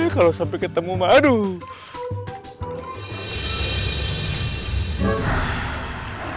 kalau sampai ketemu aduh